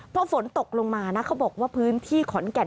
พอฝนตกลงมานะเขาบอกว่าพื้นที่ขอนแก่น